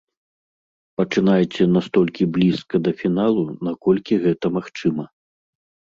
Пачынайце настолькі блізка да фіналу, наколькі гэта магчыма.